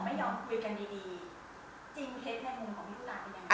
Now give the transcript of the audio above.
ไม่ยอมคุยกันดีจริงเท็จอยู่ในวงค์เพราะพี่ทุกตา